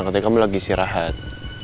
ketika kamu lagi istirahat